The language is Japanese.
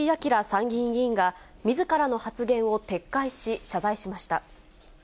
参議院議員が、みずからの発言を撤回し、謝罪しました。